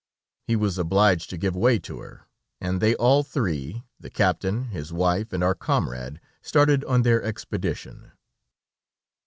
He was obliged to give way to her, and they all three, the captain, his wife, and our comrade, started on their expedition.